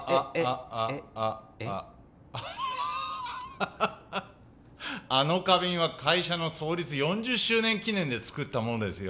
アッハッハッハあの花瓶は会社の創立４０周年記念で作ったものですよ